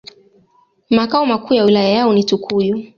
Makao makuu ya wilaya yao ni Tukuyu